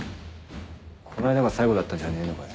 この間が最後だったんじゃねえのかよ？